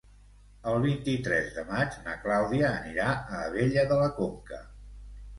El vint-i-tres de maig na Clàudia anirà a Abella de la Conca.